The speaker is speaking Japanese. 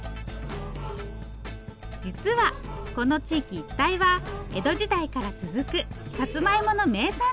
実はこの地域一帯は江戸時代から続くさつまいもの名産地。